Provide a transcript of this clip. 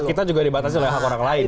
kita juga dibatasi oleh hak orang lain